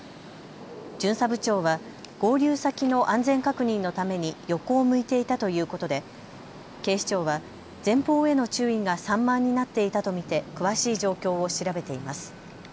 巡査部長は合流先の安全確認のために横を向いていたということで警視庁は前方への注意が散漫になっていたと見て詳しい状況を調べています。